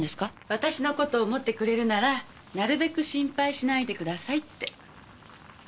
「私のことを思ってくれるならなるべく心配しないでください」って。